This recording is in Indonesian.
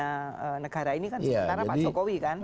di daerah negara ini kan sementara pak jokowi kan